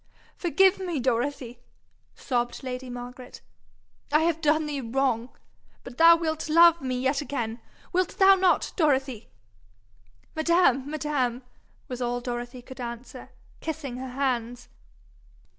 'Forgive me, Dorothy,' sobbed lady Margaret. 'I have done thee wrong. But thou wilt love me yet again wilt thou not, Dorothy?' 'Madam! madam !' was all Dorothy could answer, kissing her hands.